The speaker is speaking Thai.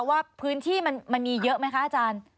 ว่าพื้นที่มันมีเยอะไหมคะอาจารย์